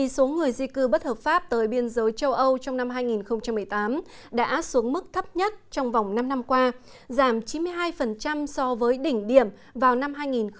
số người di cư bất hợp pháp tới biên giới châu âu trong năm hai nghìn một mươi tám đã xuống mức thấp nhất trong vòng năm năm qua giảm chín mươi hai so với đỉnh điểm vào năm hai nghìn một mươi bảy